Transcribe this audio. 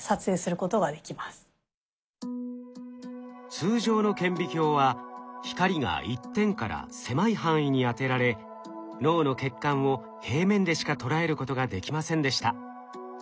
通常の顕微鏡は光が一点から狭い範囲に当てられ脳の血管を平面でしか捉えることができませんでした。